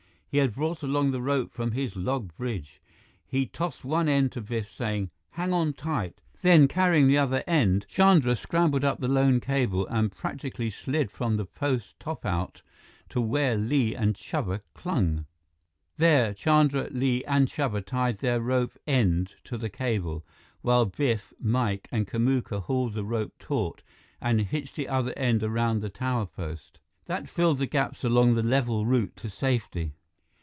He had brought along the rope from his log bridge. He tossed one end to Biff, saying, "Hang on tight!" Then, carrying the other end, Chandra scrambled up the lone cable and practically slid from the post top out to where Li and Chuba clung. There, Chandra, Li, and Chuba tied their rope end to the cable; while Biff, Mike, and Kamuka hauled the rope taut and hitched the other end around the tower post. That filled the gaps along the level route to safety.